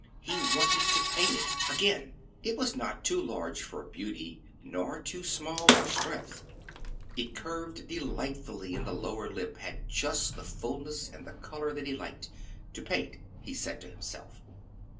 He wanted to paint it again. It was not too large for beauty nor too small for strength. It curved delightfully, and the lower lip had just the fullness and the color that he liked to paint, he said to himself.